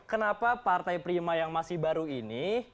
kenapa partai prima yang masih baru ini